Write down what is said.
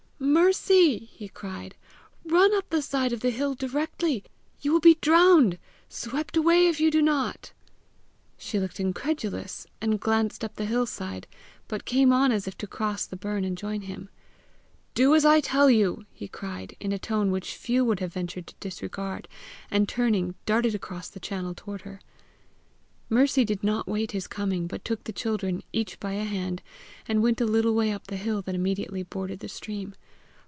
"Mercy!" he cried, "run up the side of the hill directly; you will be drowned swept away if you do not." She looked incredulous, and glanced up the hill side, but carne on as if to cross the burn and join him. "Do as I tell you," he cried, in a tone which few would have ventured to disregard, and turning darted across the channel toward her. Mercy did not wait his coming, but took the children, each by a hand, and went a little way up the hill that immediately bordered the stream.